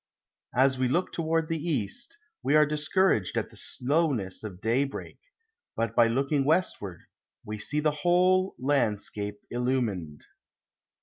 As we look toward the east, we are discouraged at the slowness of daybreak; but by looking westward we see the whole landscape illumined.